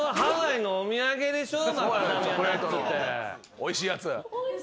おいしいやつ。